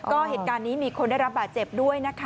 ก็เหตุการณ์นี้มีคนได้รับบาดเจ็บด้วยนะคะ